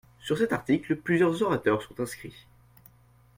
Sur cet article, plusieurs orateurs sont inscrits.